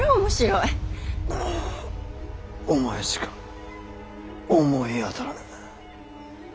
んっお前しか思い当たらぬ。